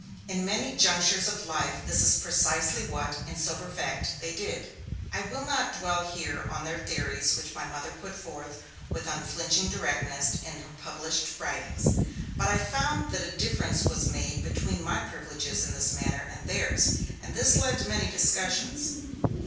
In many junctures of life this is precisely what, in sober fact, they did. I will not dwell here on their theories, which my Mother put forth, with unflinching directness, in her published writings. But I found that a difference was made between my privileges in this matter and theirs, and this led to many discussions.